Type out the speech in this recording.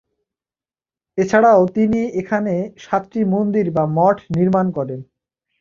এছাড়াও তিনি এখানে সাতটি মন্দির বা মঠ নির্মাণ করেন।